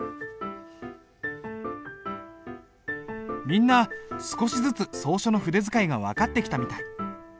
みんな少しずつ草書の筆使いが分かってきたみたい。